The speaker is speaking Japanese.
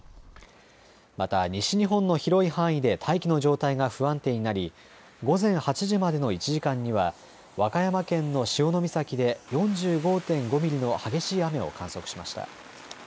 また西日本の広い範囲で大気の状態が不安定になり午前８時までの１時間には和歌山県の潮岬で４５．５ミリの激しい雨を観測しました。